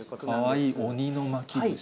かわいい、鬼の巻きずし。